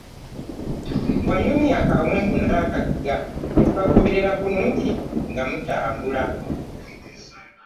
Wanyumya akawonvu n'akagga, ne tubagoberera bulungi nga mutambula.